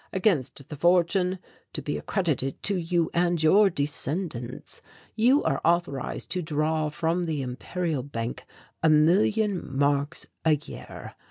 Against the fortune, to be accredited to you and your descendants, you are authorized to draw from the Imperial Bank a million marks a year.